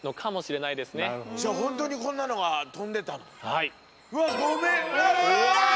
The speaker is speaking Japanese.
はい。